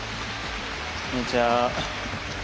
こんにちは。